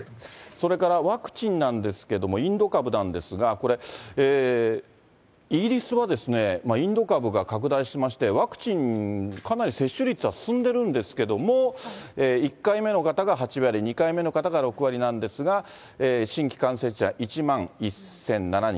それからワクチンなんですけども、インド株なんですが、これ、イギリスはインド株が拡大してまして、ワクチン、かなり接種率は進んでるんですけれども、１回目の方が８割、２回目の方が６割なんですが、新規感染者１万１００７人。